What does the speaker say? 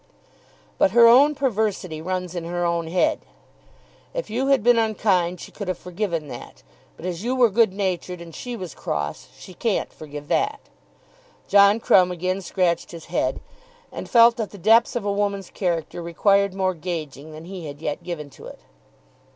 "But her own perversity runs in her own head. If you had been unkind she could have forgiven that; but as you were good natured and she was cross, she can't forgive that." John Crumb again scratched his head, and felt that the depths of a woman's character required more gauging than he had yet given to it.